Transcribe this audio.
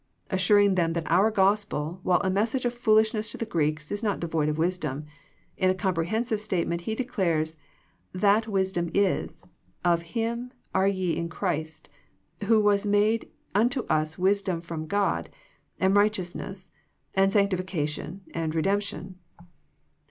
Assuring them that our Gospel, while a message of foolish ness to the Greeks is not devoid of wisdom, in a comprehensive statement he declares what that wisdom is, " Of Him are ye in Christ Jesus, who was made unto us wisdom from God, and right eousness, and sanctification and redemption.''